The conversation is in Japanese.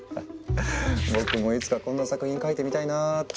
僕もいつかこんな作品描いてみたいなって。